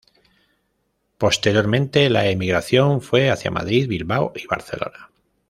Posteriormente la emigración fue hacia Madrid, Bilbao y Barcelona.